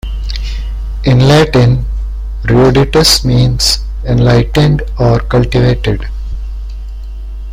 In Latin, eruditus means enlightened, or cultivated.